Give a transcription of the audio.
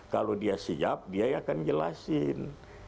kalau dia siap dia akan jelasin